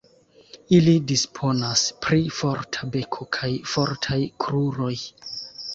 Ili disponas pri forta beko kaj fortaj kruroj.